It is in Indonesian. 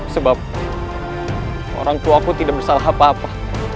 sebab orang tuaku tidak bersalah apa apa